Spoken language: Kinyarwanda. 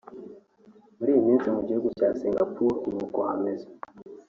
Kuri uyu munsi mu gihugu cya Singapore ni uku hameze